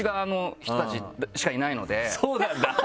そうなんだ！